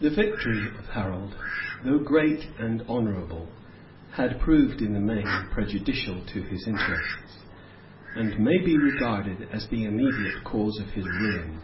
The victory of Harold, though great and honorable, had proved in the main prejudicial to his interests, and may be regarded as the immediate cause of his ruin.